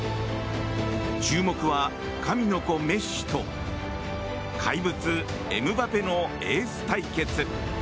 注目は神の子、メッシと怪物、エムバペのエース対決。